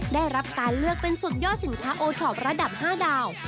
ได้รับการเลือกเป็นสุดยอดสินค้าโอท็อประดับ๕ดาว